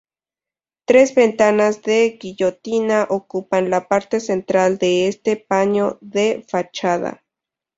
Tres ventanas de guillotina ocupan la parte central de este paño de fachada.